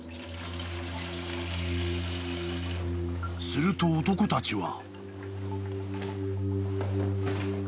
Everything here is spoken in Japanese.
［すると男たちは］